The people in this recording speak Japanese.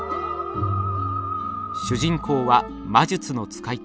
主人公は魔術の使い手。